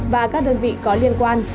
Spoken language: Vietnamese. và các đơn vị có liên quan